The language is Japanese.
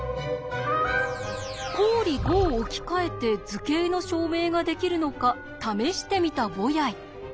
公理５を置き換えて図形の証明ができるのか試してみたボヤイ。